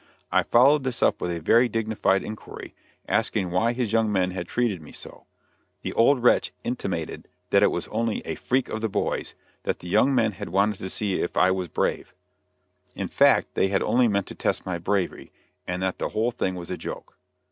I followed this up with a very dignified inquiry, asking why his young men had treated me so. The old wretch intimated that it was only "a freak of the boys"; that the young men had wanted to see if I was brave; in fact, they had only meant to test my bravery, and that the whole thing was a joke.